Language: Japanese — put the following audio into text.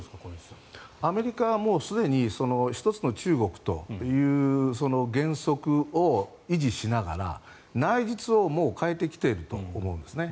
アメリカはすでに一つの中国という原則を維持しながら内実をもう変えてきていると思うんですね。